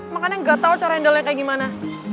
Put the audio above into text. makanya gak tau cara handle nya kayak gimana